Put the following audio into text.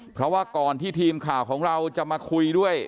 เพราะว่าก่อนที่ทีมข่าวของเราจะมาคุยด้วย